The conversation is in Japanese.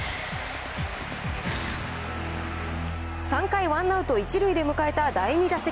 ３回ワンアウト１塁で迎えた第２打席。